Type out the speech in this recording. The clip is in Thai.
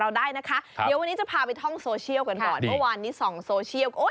วันนี้จะพาไปท่องเซอร์เชียลกันก่อนเมื่อวานนี้ส่องเซอร์เซียล